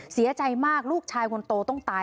เสียใจมากลูกชายคนโตต้องตาย